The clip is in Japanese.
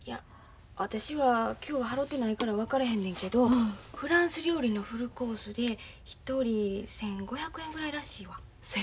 私は今日は払てないから分からへんねんけどフランス料理のフルコースで一人１，５００円ぐらいらしいわ。